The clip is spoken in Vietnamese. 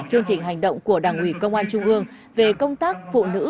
chương trình hành động của đảng ủy công an trung ương về công tác phụ nữ